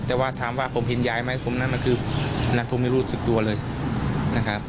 แต่ว่าถามว่าผมเห็นยายไหมผมนั้นมันคือนั่นผมไม่รู้สึกตัวเลยนะครับ